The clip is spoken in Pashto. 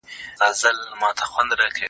که ښوونکی پوښتني وهڅوي، چوپتیا نه رامنځته کيږي.